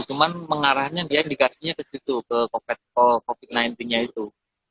cuma mengarahnya dia indikasinya ke situ ke covid sembilan belas nya itu